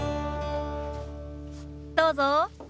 どうぞ。